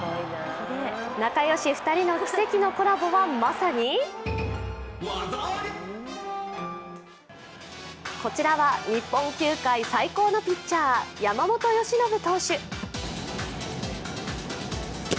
仲よし２人の奇跡のコラボはまさにこちらは日本球界最高のピッチャー・山本由伸投手。